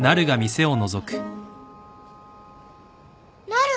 なる！